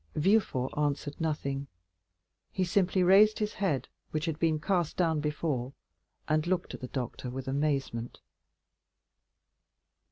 Villefort answered nothing, he simply raised his head, which had been cast down before, and looked at the doctor with amazement.